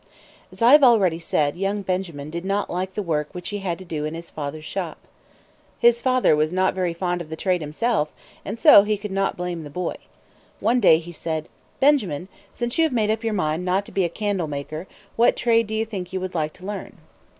As I have already said, young Benjamin did not like the work which he had to do in his father's shop. His father was not very fond of the trade himself, and so he could not blame the boy. One day he said: "Benjamin, since you have made up your mind not to be a candle maker, what trade do you think you would like to learn?"